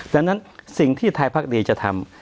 ดังนั้นสิ่งที่ไทยพักดีจะทำ